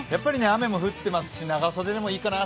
雨も降っていますし、長袖でもいいかな。